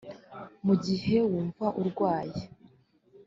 Mu gihe wumva urwaye